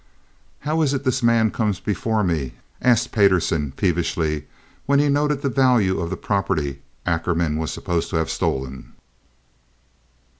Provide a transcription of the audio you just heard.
"How is it this man comes before me?" asked Payderson, peevishly, when he noted the value of the property Ackerman was supposed to have stolen.